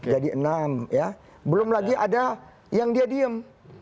jadi enam belum lagi ada yang dia diem